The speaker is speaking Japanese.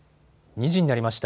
２時になりました。